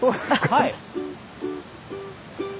はい。